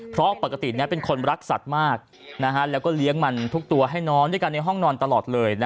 เพราะปกติเป็นคนรักสัตว์มากแล้วก็เลี้ยงมันทุกตัวให้นอนด้วยกันในห้องนอนตลอดเลย